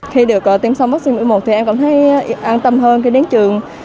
khi được tiêm xong vaccine một mươi một thì em cảm thấy an tâm hơn khi đến trường